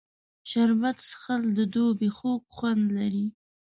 شربت څښل د دوبي خوږ خوند لري